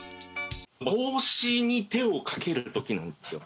帽子に手をかける時なんですよ。